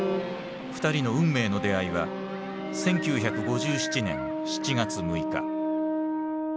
２人の運命の出会いは１９５７年７月６日。